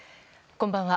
こんばんは。